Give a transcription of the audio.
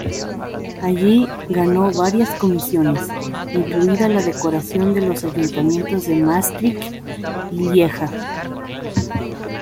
Allí ganó varias comisiones, incluida la decoración de los ayuntamientos de Maastricht y Lieja.